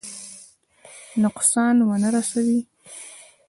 نقصان ونه رسوي.